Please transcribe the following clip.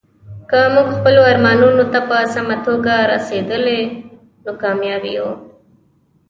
که موږ خپلو ارمانونو ته په سمه توګه رسیدلي، نو کامیاب یو.